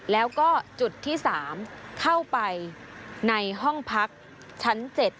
แล้วก็จุดที่๓เข้าไปในห้องพักชั้น๗